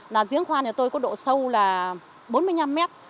là giếng khoan nhà tôi có độ sâu là bốn mươi năm mét